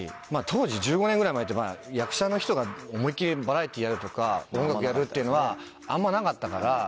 当時１５年ぐらい前って役者の人が思いっきりバラエティーやるとか音楽やるっていうのはあんまなかったから。